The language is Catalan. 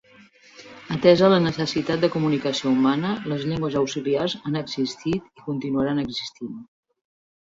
Atesa la necessitat de comunicació humana, les llengües auxiliars han existit i continuaran existint.